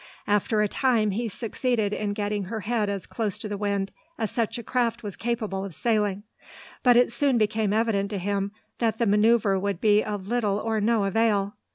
After a time he succeeded in getting her head as close to the wind as such a craft was capable of sailing, but it soon became evident to him that the manoeuvre would be of little or no avail.